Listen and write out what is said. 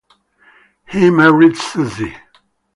He married Suzy.